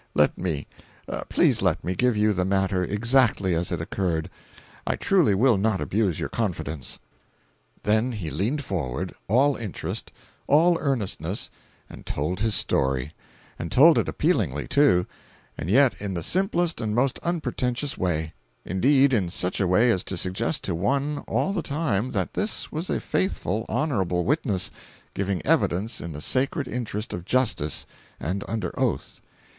Let me—please let me, give you the matter, exactly as it occurred. I truly will not abuse your confidence." Then he leaned forward, all interest, all earnestness, and told his story—and told it appealingly, too, and yet in the simplest and most unpretentious way; indeed, in such a way as to suggest to one, all the time, that this was a faithful, honorable witness, giving evidence in the sacred interest of justice, and under oath.